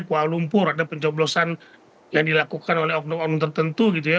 kuala lumpur ada pencoblosan yang dilakukan oleh oknum oknum tertentu gitu ya